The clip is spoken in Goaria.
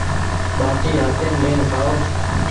ٻآٽي هآتيم لين کآئو۔